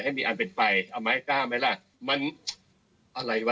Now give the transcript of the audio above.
มีอันเป็นไปเอาไม้กล้าไหมล่ะมันอะไรวะ